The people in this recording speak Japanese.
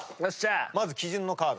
まず基準のカード。